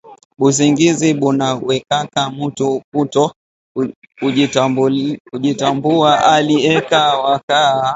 Busingizi buna wekaka mutu kuto kujitambuwa ali eko wakati eko na lala